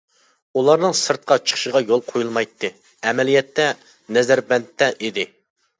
ئۇلارنىڭ سىرتقا چىقىشىغا يول قويۇلمايتتى، ئەمەلىيەتتە، نەزەربەندتە ئىدى.